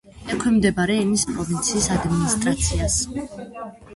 ექვემდებარება ენის პროვინციის ადმინისტრაციას.